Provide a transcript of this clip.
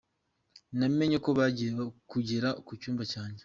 Namenye ko bagiye kugera mu cyumba cyanjye.